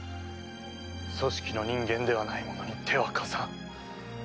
組織の人間ではない者に手は貸さん。